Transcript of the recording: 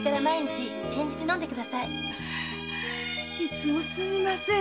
いつもすみませんね